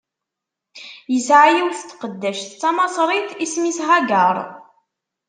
Tesɛa yiwet n tqeddact d tamaṣrit, isem-is Hagaṛ.